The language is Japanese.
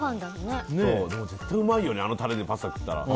絶対うまいよねあのタレでパスタ食ったら。